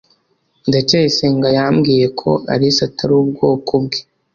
ndacyayisenga yambwiye ko alice atari ubwoko bwe